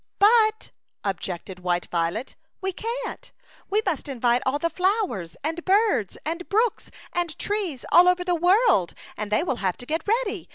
"But/* objected white Violet, "we can't. We must invite all the flow ers and birds and brooks and trees all over the world, and they will have to get ready.